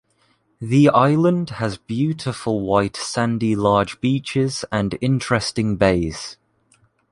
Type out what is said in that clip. The Island has beautiful white sandy large beaches and interesting bays.